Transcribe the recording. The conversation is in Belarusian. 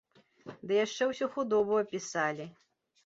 Ды яшчэ ўсю худобу апісалі.